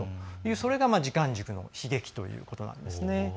それが時間軸の悲劇ということなんですね。